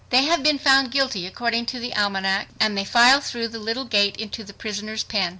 They have been found guilty according to the almanac and they file through the little gate into the prisoners' pen.